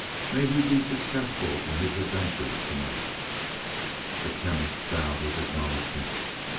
May he be successful in his adventure to night." The Chemist bowed his acknowledgment.